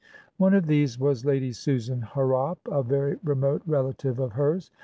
One of these was Lady Susan Harrop, a very remote relative of hers.